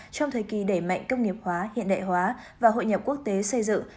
trong thời kỳ đẩy mạnh công nghiệp hóa hiện đại hóa và hội nhập quốc tế xây dựng